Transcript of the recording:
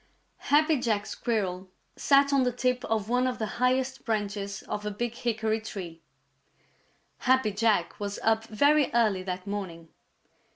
_ Happy Jack Squirrel sat on the tip of one of the highest branches of a big hickory tree. Happy Jack was up very early that morning.